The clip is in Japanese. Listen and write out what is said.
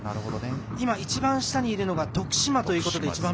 今いちばん下にいるのが徳島ということですね。